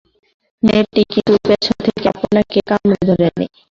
মেয়েটি কিন্তু পেছন থেকে আপনাকে কামড়ে ধরে নি।